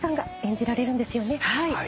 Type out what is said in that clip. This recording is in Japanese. はい。